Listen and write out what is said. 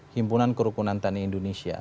himpunan kerukunan tani indonesia